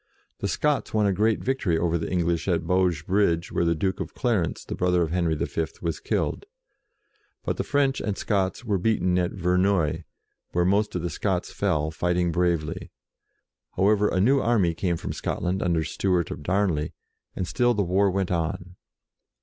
The Scots won a great victory over the English at Bauge" bridge, where the Duke of Clarence, the brother of Henry V., was killed. But the French and Scots were beaten at Verneuil, where most of the Scots fell fighting bravely. However, a new army came from Scotland, under Stewart of Darn ley, and still the war went on.